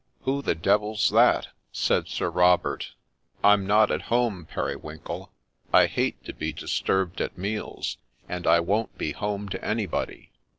Who the devil 's that ?' said Sir Robert. ' I'm not at home, Periwinkle. I hate to be disturbed at meals, and I won't be at home to anybody.'